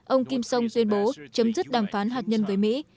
ông kim song tuyên bố chấm dứt đàm phán hạt nhân với mỹ